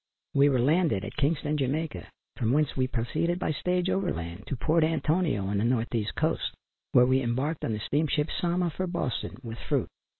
We were landed at Kingston, Jamaica, from whence we proceeded by stage over land to Port Antonio on the north east coast, where we embarked on the steamship Sama, for Boston, with fruit.